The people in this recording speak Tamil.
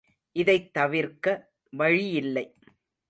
இதைத் தவிர்க்க வழியில்லை.